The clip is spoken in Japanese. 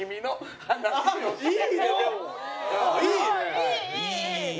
いいね！